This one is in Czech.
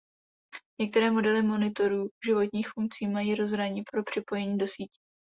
Některé modely monitorů životních funkcí mají rozhraní pro připojení do sítě.